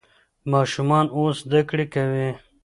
ماشومان اوس زده کړه کوي.